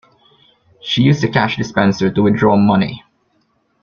She used a cash dispenser to withdraw money